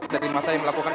dari masa yang melakukan